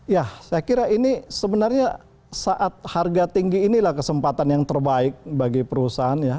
ya saya kira ini sebenarnya saat harga tinggi inilah kesempatan yang terbaik bagi perusahaan ya